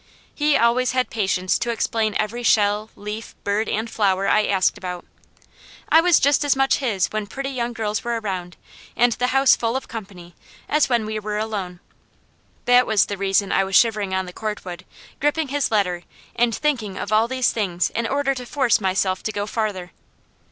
He always had patience to explain every shell, leaf, bird, and flower I asked about. I was just as much his when pretty young girls were around, and the house full of company, as when we were alone. That was the reason I was shivering on the cordwood, gripping his letter and thinking of all these things in order to force myself to go farther.